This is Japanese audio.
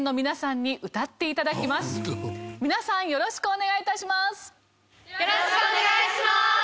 皆さんよろしくお願い致します。